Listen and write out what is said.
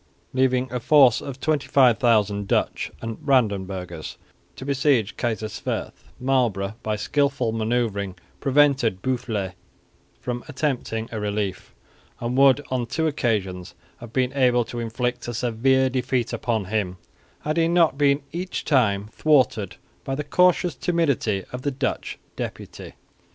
Leaving a force of 25,000 Dutch and Brandenburgers to besiege Kaiserswerth, Marlborough by skilful manoeuvring prevented Boufflers from attempting a relief, and would on two occasions have been able to inflict a severe defeat upon him had he not been each time thwarted by the cautious timidity of the Dutch deputies.